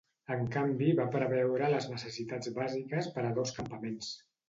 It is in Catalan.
En canvi, va preveure les necessitats bàsiques per a dos campaments.